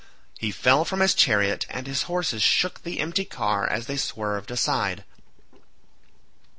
He fell from his chariot and his horses shook the empty car as they swerved aside.